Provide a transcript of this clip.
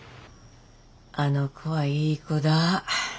あの子はいい子だ。